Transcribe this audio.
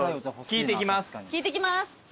聞いてきます。